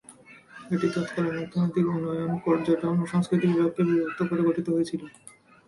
এটি তৎকালীন অর্থনৈতিক উন্নয়ন, পর্যটন ও সংস্কৃতি বিভাগকে বিভক্ত করে গঠিত হয়েছিল।